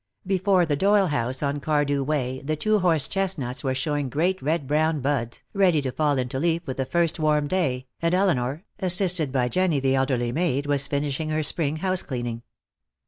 Before the Doyle house on Cardew Way the two horse chestnuts were showing great red brown buds, ready to fall into leaf with the first warm day, and Elinor, assisted by Jennie, the elderly maid, was finishing her spring house cleaning.